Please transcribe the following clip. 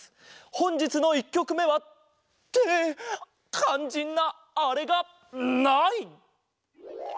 ほんじつの１きょくめは。ってかんじんなあれがない！